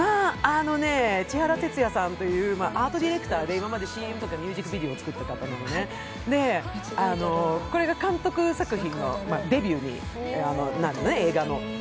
千原徹也さんというアートディレクターで今までＣＭとかミュージックビデオとか作っていた方、これが監督作品のデビューになるのね、映画の。